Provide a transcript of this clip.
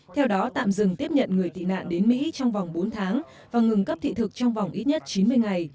theo đó tạm dừng tiếp nhận người tị nạn đến mỹ trong vòng bốn tháng và ngừng cấp thị thực trong vòng ít nhất chín mươi ngày